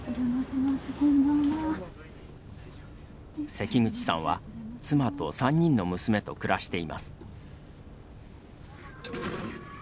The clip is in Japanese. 関口さんは妻と３人の娘と暮らしています。